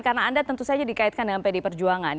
karena anda tentu saja dikaitkan dengan pd perjuangan